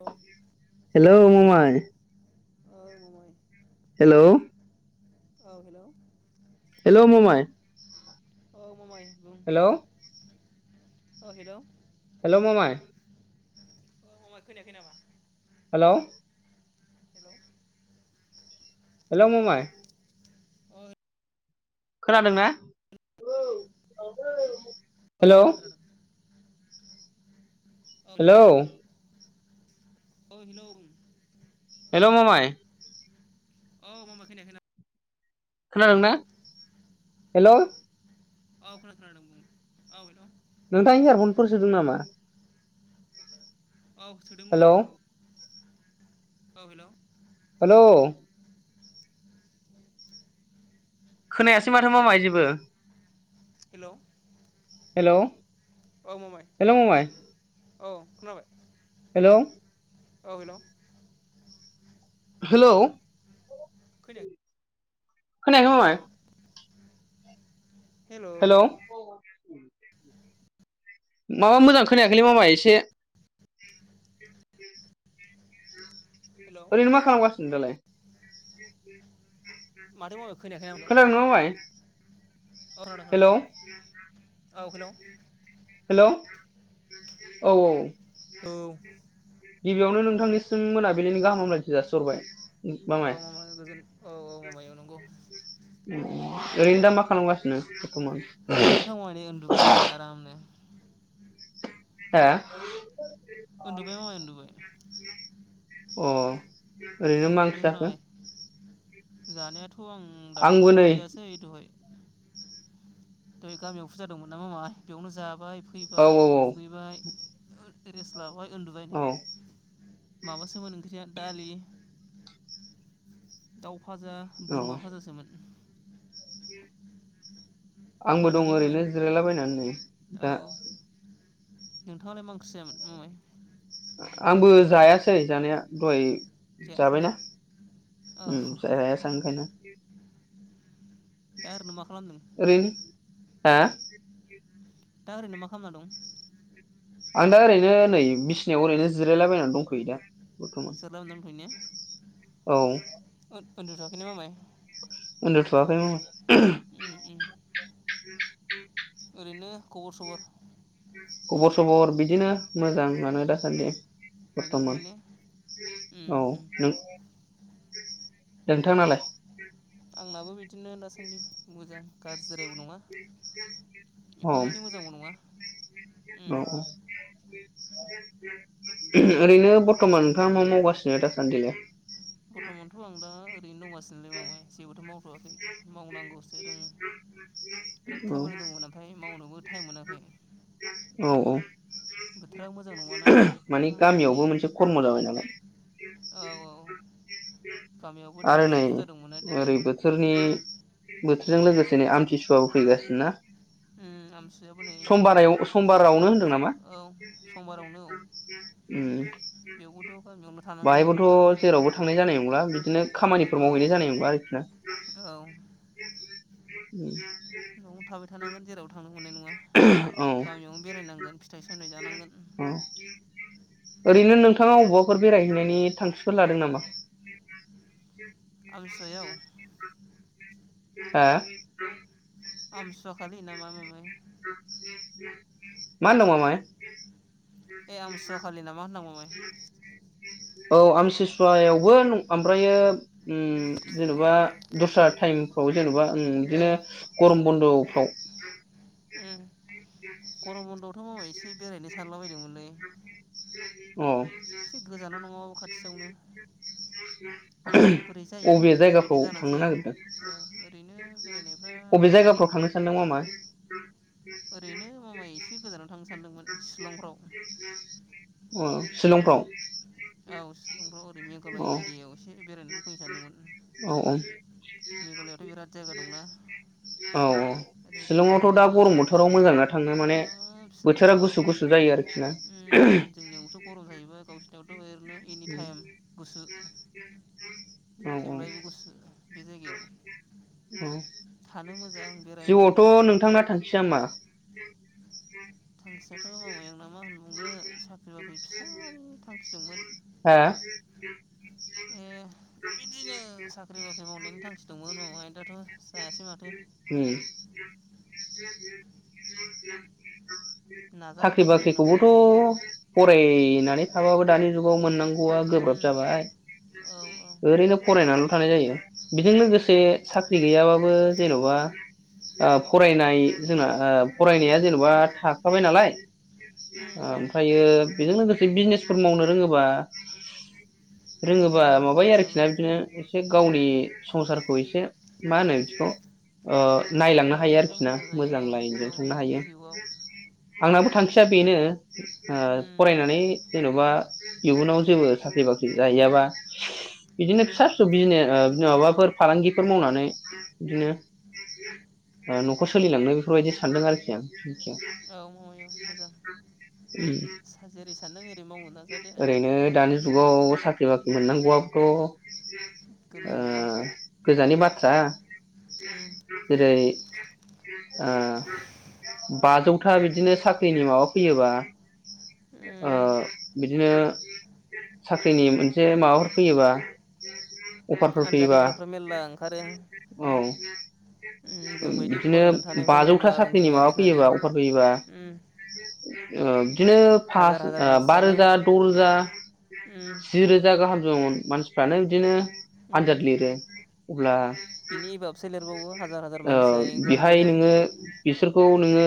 औ हेलौ‌ मामाय औ मामाय हेलोव औ हेलौ हेल‌व मामाय औ मामाय हेलोव ओ हेलोव हेल मामाय ममाय खोनायाखै नामा हेलौ हेलौ हेलौ ममाय अर खोनादों ना‌ औ खोनादों अ खोनादों खोनादों हेलौ औ हेलौ हेल मामाय औ मामा खोनाखै नामा हेलौ खोनादोंना हेल औ खोनाथारा नोंनि औे नोंथां इयारफनफोर सोदों नामा औ सोदोंमोन हेलौ आं औ हेलौ हेलौह खोनायासै माथो मा मामाय जेबो हेलौ हेलोव औ मामाय हेलौ मामाइ औ खोनाबाय हेलोव औ हेलव हेलौ खोनायाखै हेल' मामाय हेल' हेल' हेलौ माबा मोजां खोनायाखैलै मामा एसे हेलौ ओरैनो मा खालामगासिनो दालाय मानोमोन खोनादोंना मामाय औ आदा हेलौ खोनादों औ हेल' हेलौ औ औ औ गिबियावनो नोंथांनिसिम मोनाबिलिनि गाहामलायथि जासिहरबाय औ मामाय गोजोन औ औ मामाय औ नंगौ ओरैनो दा मा खालामगासिनो बरथमान उनदुबाय नै दा आरामनो हा उनदुबाय मामाय उनदुबाय अ ओरैनो मा ओंख्रि नोंलाय जाखो? जानायाथ' आं दाथ' आंबो नै ओंखाम जायासै दहाय दहाय गामियाव फुजा दंमोन नालाय मामाय बेयावनो जाबाय। औ फैबाय दुगैबाय रेस्ट लाबाय उनदुबाय औ नै। माबासोमोन ओंख्रिया दालि दाउ फाजा औ बोरमा फाजासोमोन। आंबो खोनादों दं ने मामाय ओरैनो जिरायलाबायनानै नै दा। नोंथाङलाय मा ओंख्रि जायामोन मामाय? आंबो जायासै जानाया दहाय जायासै ने जाबायना औ ओम जायासै आं ओंखायनो। दा ओरैनो मा खालामदों? ओरै हा? दा ओरैनो मा खालामना दं? आं दा ओरैनो नै बिसिनायाव ओरैनो जिरायलाबायनानै दंथ'यो दा। बरथमान जिरायलाबायना दंथ'यो ने औ। उनदु थ'याखै ने मामाय अ उथवाखाय ओम ओम ओरैनो खबर सबर खबर सबर बिदिनो मोजांयानो दासानदि मोजाङानो बरथमान ने ओम औ ओम नोंथां। नोंथां नालाय? आंनाबो बिदिनो दासानदि मोजां गाज्रिद्रायबो नङा औ एफा एनै मोजांबो नङा। उम औ औ। ओरैनो बरथमान नोंथाङा मा मावगासिनो दासानदिलाय? बरथमानथ' आं दा ओरैनो दंगासिनोलै मामाय जेबोथ' मावथ'वाखै मावनांगौसो दं। बिराद औ खामानि दंमोन ओमफ्राय मावनोबो टाइम मोनाखै औ औ। बोथोरा मोजां नङाना मानि अखा हाबाय थायो गामियावबो मोनसे खर्म जाबाय नालाय। औ औ [inaudible] गामियावबो दा आरो एसे नै फुजा दंमोनना दिनै ओरै बोथोरनि उम बोथोरजों लोगोसेनो आमथिसुवाबो फैगासिनो ना आमसुयाबो नै समबारायाव समबारावनो होनदों सानसेल'सैसो औ समबारावनो औ। ओम बेयावबोथ' गामियावनो थानांगोन बाहायबोथ' ओंखारनो मोननाय नङा जेरावबो थांनाय जानाय नंला बिदिनो खामानिफोर औ मावहैनाय जानाय नंला आरोखि ना। औ न'आव थाबाय थानांगोन जेरावबो थांनो मोननाय नङा औ गामियावनो बेरायनांगोन फिथाइ सामथाइ जानांगोन। ओरैनो नोंथाङा अबावबाफोर बेरायहैनायनि थांखिफोर लादों नामा? अमथिसुवायाव? हा? आमथिसुवाखालि नामा मामाय? माहोनदों मामाय? ए आमथिसुवाखालि नामा होनदां मामाय। औ आमथिसुवायावबो ओमफ्रायो जेनेबा दस्रा टाइमफ्राव जेन'बा ओम ए बिदिनो गरम बन्द'फ्राव उम गरम बन्दआवथ' मामाय एसे बेरायनो सानलाबाय अ एसे गोजानाव नङाबाबो खाथियावनो बोरै जायो अबे बेरायनो जायगाफ्राव जागोनना जाया ओरैनो बेरायनायफ्रा बबे जायगाफ्राव थांनो सानदों नामा? ओरैनो मामाय एसे गोजानाव थांनो सान [inaudible] अ शिलंफ्राव औ सिलंफ्राव ओरै मेघालय अ औ एरियाायाव एसे बेरायनानै फैनो औ सानदोंमोन। मेघालयआवथ' बिराद जायगा दंना [unintelligible] औ औ ओरै दै शिलंआवथ' दा बाज्रुमनाय गरम बोथोराव मोजां वाटारफल ना थाङो माने हाब बोथोर शिलं थोरा औ गुसु गुसु जायो आरोखि ना। थ' ओरैनो एनि टाइम गुसु औ जेब्लायबो गुसु। बि जायगायाव। औ थानो मोजां बेरायनो जिउआवथ' नोंथांना थांखाया मा। थांखियाथ' मामाय आंना मा होनबावनो साख्रि बाख्रि फिसाय थांखि। दंमोन हा। ए [unintelligible] बिदिनो साख्रि बाख्रि मावनायनि थांखि दंमोन मामाय दाथ' जायासै माथो। [unintelligible] नाजाबाय साख्रि थानोसै उनाव बाख्रिखौबोथ' बोरै जायो फरायनानै थाबाबो दानि जुगाव मोननांगौ। गौआ गोब्राब उम जाबाय। औ औ ओरैनो फरायनानैल' थानाय जायो बेजों उम लोगोसे साख्रि गैयाबाबो। जेनोबा। आ फरायनाय जोंना आ फरायनाया जेन'बा थाखाबाय नालाय। उम आ उम ओमफ्रायो बेजों लोगोसे बिजनेसफोर मावनो रोङोबा। रोङोबा मोजां माबायो आरोखि बिजनेसाबो ना बिदिनो उम एसे उम गावनि संसारखौ एसे मा होनो बिदिखौ। अ। नायलांनो हायो फालांगिया आरोखि ना जायो मोजां औ लाइनजों गावनि थांनो हायो जिउआव आंनाबो थांखिया बेनो। अ उम फरायनानै। मा इयुनाव जेबो साख्रि बाख्रि जाहैयाबा। बिदिनो उम फिसा फिसौ बिजनेस माबाफोर फालांगिफोर मावनानै। बिदिनो अ न'खर सोलिलांनो बेफोरबायदि सानदों आरोखि आं। औ मावै औ मोजां जेरै सानदों ओरै। ओरैनो दानि जुगाव साख्रि बाख्रि मोननांगौआबोथ'। गोरलै आ नङा गोजाननि बाथ्रा। उम जेरै आ बाजौ। था बिदिनो साख्रिनि माबा फैयोबा ओ। उम बिदिनो साख्रिनि मोनसे माबाफोर फैयोबा। अफारफोर आनजाद फैयोबा होग्राफ्रा मेरला ओंखारो औ। उम जोंबायदि बिदिनो फरायनानै थानायफ्रा बाजौथा मेरला दंसै साख्रिनि माबा आजिखालि फैयोबा अफार फैयोबा। उम अ बिदिनो हाजार फास ओ। हाजार बा मानसियानो रोजा द' रोजा उम जि रोजा गाहाम जन मानसिफ्रानो बिदिनो उम आनजाद लिरो। अब्ला बिनि एबाबसो लिरबावो हाजार हाजार ओ मानसिया एग्जाम बेहाय लिरो नोङो बिसोरखौ नोङो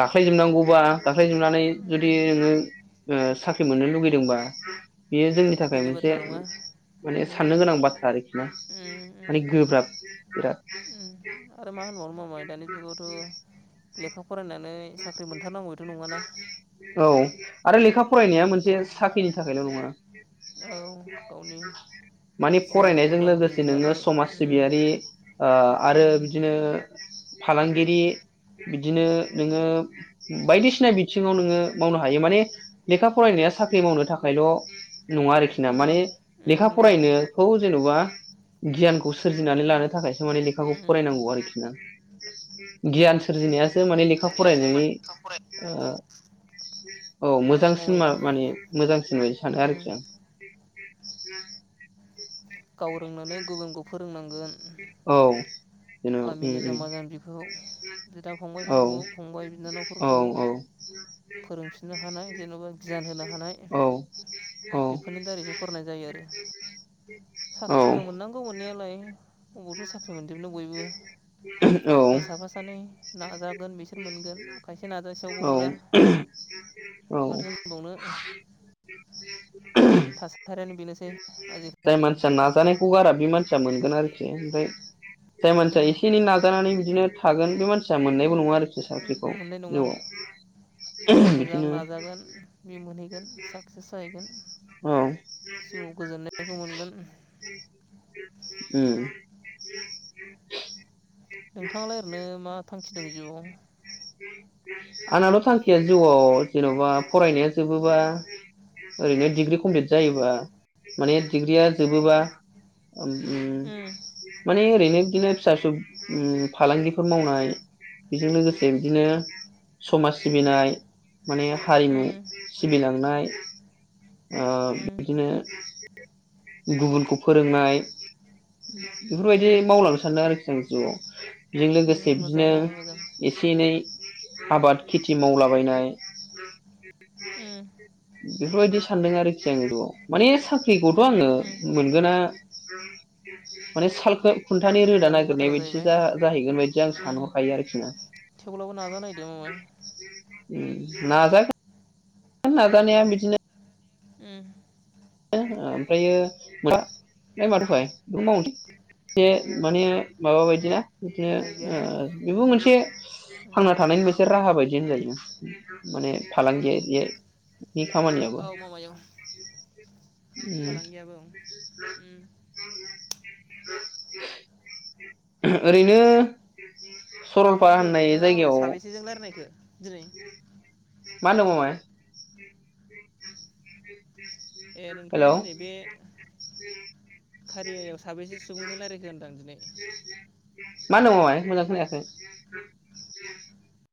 गाख्लायजोबनांगौबा गाख्लायजोबनानै जुदि नोङो ओ साख्रि मोननो लुगैदोंबा बेयो जोंनि थाखाय गोरलै मोनसे बाथ्रा नङा माने उम साननो गोनां बाथ्रा आरोखि ना उम उम माने गोब्राब बिराद! उम आरो मा होनो मामाय दानि जुगावथ'। लेखा फरायनानै साख्रि मोनथारनांगौ बेथ' नङाना। औ आरो लेखा उम फरायनाया मोनसे फराय साख्रिनि थाखायल' नङा। औ गावनि माने जिउआव फरायनायजों मोजां लोगोसे नोङो बुजिनानै समाज उम सिबियारि ओ आरो उम बिदिनो फालांगिरि बिदिनो। नोङो बायदिसिना बिथिङाव नोङो मावनो हायो माने लेखा फरायनाया साख्रि मावनो थाखाय। ल' नङा आरोखि ना माने उम लेखा उम औ फरायनोखौ जेन'बा गियानखौ सोरजिनानै लानो थाखाय लेखाखौ उम फरायनांगौ आरोखि ना गियान सोरजिनायो माने लेखा बुजिनायासो फरायनायनि माने लेखा फराय औ मोजांसिन मावै औ माने मोजांसिन बायदि सानो उम आरोखि आं [inaudible] [unintelligible] गाव रोंनानै गुबुनखौ फोरोंनांगोन औ जेन' ओम गामिनि ओम जाम्बा जाम्बिखौ बिदा फंबायफोरखौ फंबाय औ बिनानावफोरखौ फोरोंफिननो हानाय जेन'बा गियान होनो हानाय औ बेफोरनि दारैसो फरायनाय जायो आरो [inaudible] [inaudible] साख्रिबो मोननांगौ मोननायालाय अबावथ' साख्रि मोनजोबनो बयबो जा साफा सानै नाजागोन बिसोर मोनगोन खायसे नाजासेयावबो औ मोना औ माथो होनबावनो [inaudible] [unintelligible] थासारियानो बेनोसै जाय आजिखालि मानसिया नाजानायखौ गारा बे मानसिया मोनगोन आरोखि [unintelligible] [unintelligible] जाय मानसिया एसे एनै नाजानानै बिदिनो थागोन बे मानसिया मोननायबो नङा आरोखि साख्रिखौ मोननाय नङा जिउआव जाय मोजां बिदिनो नाजागोन बे मोनहैगोन साक्सेस जाहैगोन औ जिउआव गोजोननायखौ मोनगोन ओम नोंथाङालाय ओरैनो मा थांखि दं जिउ आंनाथ' थांखिया जिउआव जेन'बा फरायनाया जोबोबा ओरैनो डिग्रिी कमप्लिट जायोबा माने डिग्रिया जोबोबा उम माने ओरैनो बिदिनो फिसा फिसौ फालांगिफोर मावनाय बेजों लोगोसे बिदिनो समाज सिबिनाय माने हारिमु उम सिबिलांनाय उम बिदिनो गुबुनखौ फोरोंनाय बेफोरबायदि उम मावलांनो सानदों आरोखि आं जिउआव बेजों उम लोगोसे मोजां बिदिनो मावै मोजां एसे एनै आबाद खेथि मावलाबायनाय उम बेफोरबायदि सानदों आरोखि आङ बे बेआव माने साख्रिखौथ' उम आङो उम मोनगोना माने सालखौ खुन्थानि रोदा गोजाननि बाथ्रा नागिरनाय बायदिस जाहैबाय जाहैगोन बायदि आं सानहरखायो आरोखि ना थेवबोब्लाबो नाजानायदो मामाय नाजा नाजानाया बिदिनो उम ओमफ्रायो मा फ्राय माथ'खाय मावनोसै एसे माने माबा बायदिना बिदिनो उफाय गैया ओ ने बेबो मोनसे उम थांना थानायनि मोनसे राहा बाय दि होनजायो माने फालांगि जे खामानियाबो औ मामाय औ उम फालांगियाबो उम ओरैनो ओमफाय सरलपारा दिनै होननाय नोंथाङा माबाया जायगायाव साबैसेजों रायलायखो दिनै? मा होनदों मामाय? ए नोंथाङा हेलौ दिनै मा बे खारियायाव साबेैसे सुबुंजों रायलायखो होनदां दिनै? मा होनदों मामाय मोजां खोनायाखै?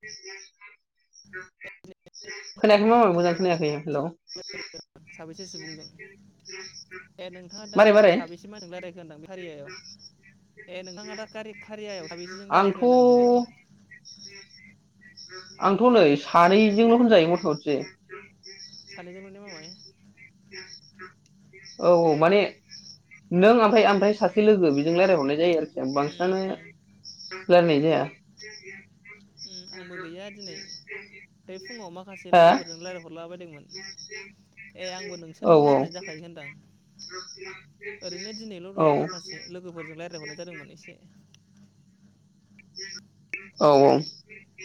[inaudible] खोनायाखै मामाय मोजां खोनायाखै हेल' से सुबुंजों ए नोंथाङा मारै दा मारै साबेसे मानसिजों रायलायखो होनदां बे खारियायाव? ए नोंथाङा दा खारि-खारियायाव साबैसेजों रायलायखो आंथ' होनदां दिनै? आंथ' नै सानैजोंल' होनजायो मथा मथि। सानै जोंल' मामाय [inaudible] औ औ माने नों आमफाय आमफाय सासे लोगो बेजों रायजलायहरनाय जायो आरो उम बांसिनानो उम रायलायनाय जाया। आंबो गैया दिनै बे फुङाव माखासे हा लोगोफोरजों रायज्लायहरलाबाय मोन ए आंबो औ नोंसोरजों रायलायनाय जाखायो होनदां। ओरैनो दिनैल' औ दै माखासे लोगोफोरजों रायज्लायहरनाय जादोंमोन एसे। औ औ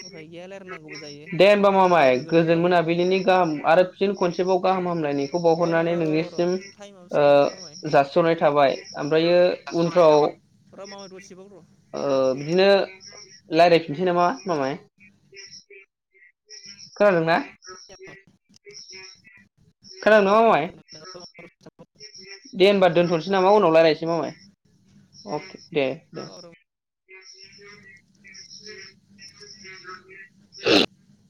उफाय गैया रायलायनांगौबो जायो दे होमबा मामाय लोगो गोजोन गोदानबाबो मोनाबिलिनि गाहाम आरो फिन खनसे बाव गाहाम हामलायनाय खौ ओ बावहरनानै मामाय र' र' नोंनिसिम र' टाइमा ओ‌ बेसेबां जाखो दे मामाय जासिहरनाय थाबाय ओमफ्रायो दासस'नाय उनफ्राव थाबाय र' मामाय दसेबाव र' औ ओ बिदिनो रायलायफिननोसै नामा मामाय?? खोनादोंना? खोनादोंना मामाय खोनादों औ दे होनबा दोनथ'नोसै नामा उनाव खोनादों रायलायनोसै मामाय। अके दे दे। औ र' [inaudible]